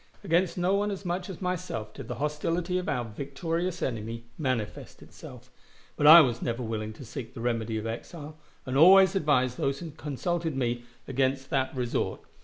Against no one as much as myself did the hostility of our victorious enemy manifest itself, but I was never willing to seek the remedy of exile, and always advised those who consulted me against that resort.